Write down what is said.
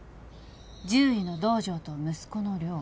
獣医の堂上と息子の亮。